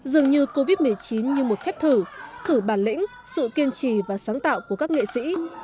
dường như covid một mươi chín như một phép thử thử thử bản lĩnh sự kiên trì và sáng tạo của các nghệ sĩ